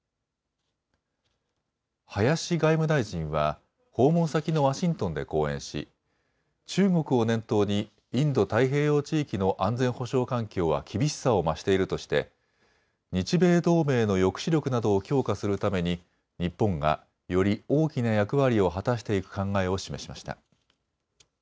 林外務大臣は訪問先のワシントンで講演し中国を念頭にインド太平洋地域の安全保障環境は厳しさを増しているとして日米同盟の抑止力などを強化するために日本がより大きな役割を果たしていく考えを示しました。